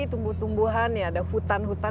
tumbuh tumbuhan ya ada hutan hutan